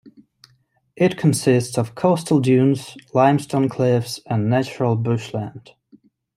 It consists of coastal dunes, limestone cliffs, and natural bushland.